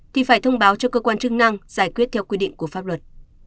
thì phải thông báo cho cơ quan chức năng giải quyết theo quy định của pháp luật